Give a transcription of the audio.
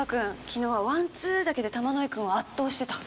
昨日はワンツーだけで玉乃井くんを圧倒してた。